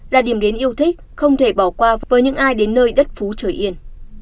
là điểm đến yêu thích không thể bỏ qua với những ai đến nơi đất phú trời yên